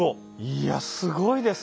いやすごいですね。